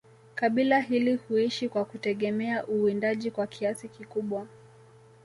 kabila hili huishi kwa kutegemea uwindaji kwa kiasi kikubwa